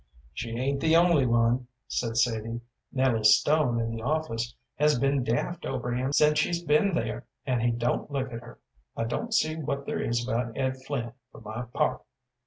"She ain't the only one," said Sadie. "Nellie Stone in the office has been daft over him since she's been there, and he don't look at her. I don't see what there is about Ed Flynn, for my part."